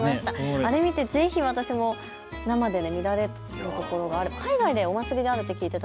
あれを見てぜひ私も生で見られるところがあるって。